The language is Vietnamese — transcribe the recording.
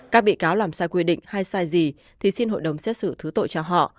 các bị cáo làm sai quy định hay sai gì thì xin hội đồng xét xử thứ tội cho họ